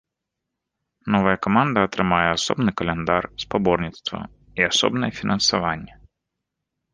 Новая каманда атрымае асобны каляндар спаборніцтваў і асобнае фінансаванне.